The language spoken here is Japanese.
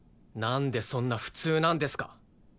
なんでそんな普通なんですか？